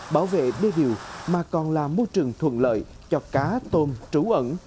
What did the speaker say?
bảo vệ đê điều mà còn là môi trường thuận lợi cho cá tôm trú ẩn